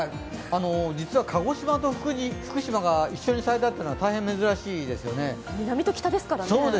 実は鹿児島と福島が一緒に咲いたというのは南と北ですからね。